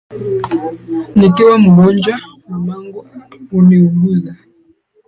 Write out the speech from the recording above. Nikiwa mgonjwa, mamangu huniuguza.